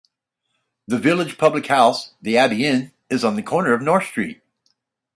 The village public house, the Abbey Inn, is on the corner of North Street.